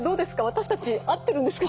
私たち合ってるんですか